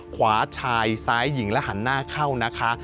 ขวาชายซ้ายหญิงและหันหน้าเข้านะคะ